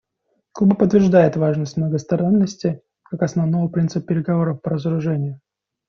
Куба подтверждает важность многосторонности как основного принципа переговоров по разоружению.